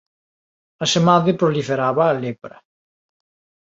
Asemade proliferaba a lepra.